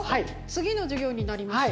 次の授業になりました。